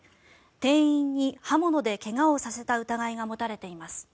店員に刃物で怪我をさせた疑いが持たれています。